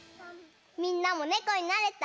みんなもねこになれた？